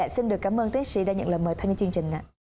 xin được cảm ơn tiến sĩ đã nhận lời mời thay đến chương trình